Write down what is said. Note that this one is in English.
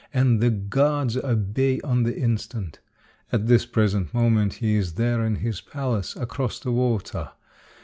and the guards obey on the instant. At this present moment he is there in his palace, across the water.